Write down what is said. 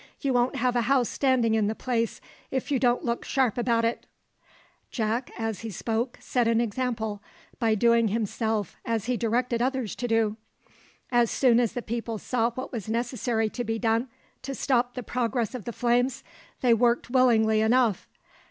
You won't have a house standing in the place if you don't look sharp about it!" Jack, as he spoke, set an example, by doing himself as he directed others to do. As soon as the people saw what was necessary to be done to stop the progress of the flames, they worked willingly enough.